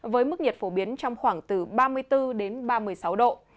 với mức nhiệt phổ biến trong khoảng từ ba mươi bốn đến ba mươi sáu độ